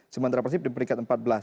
sementara persib di peringkat empat belas